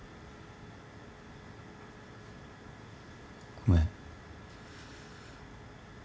ごめん。